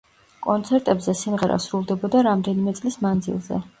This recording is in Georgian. კონცერტებზე სიმღერა სრულდებოდა რამდენიმე წლის მანძილზე.